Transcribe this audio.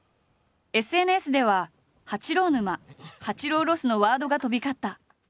ＳＮＳでは「八郎沼」「八郎ロス」のワードが飛び交った。